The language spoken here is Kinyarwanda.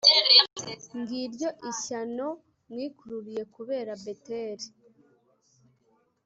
Ngiryo ishyano mwikururiye kubera Beteli,